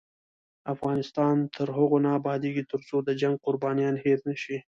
افغانستان تر هغو نه ابادیږي، ترڅو د جنګ قربانیان هیر نشي.